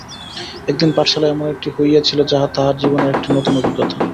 একদিন পাঠশালায় এমন একটি ঘটনা হইয়াছিল, যাহা তাহার জীবনের একটি নতুন অভিজ্ঞতা।